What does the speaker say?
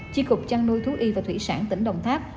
chi cục chăn nuôi thú y và thủy sản tỉnh đồng tháp